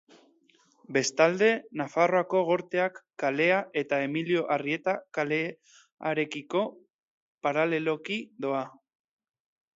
Bestalde, Nafarroako Gorteak kalea eta Emilio Arrieta kalearekiko paraleloki doa.